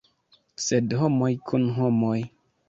Sed homoj kun homoj.